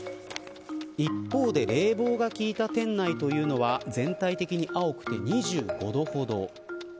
一方で、冷房が効いた店内というのは全体的に青くて２５度ほど。